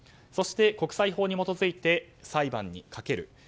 そして国際法に基づいて裁判にかける。